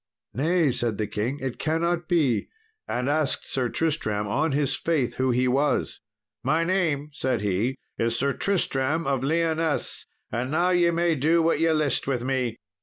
"Nay," said the king, "it cannot be," and asked Sir Tristram on his faith who he was. "My name," said he, "is Sir Tristram of Lyonesse, and now ye may do what ye list with me."